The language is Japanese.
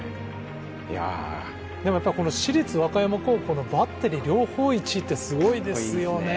でも市立和歌山高校のバッテリー、両方１位ってすごいですよね。